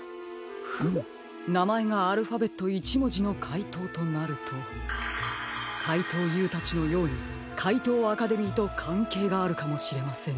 フムなまえがアルファベット１もじのかいとうとなるとかいとうＵたちのようにかいとうアカデミーとかんけいがあるかもしれませんね。